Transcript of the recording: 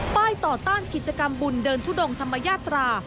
ต่อต้านกิจกรรมบุญเดินทุดงธรรมญาตรา